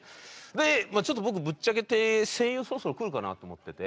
でちょっと僕ぶっちゃけて声優そろそろくるかなと思ってて。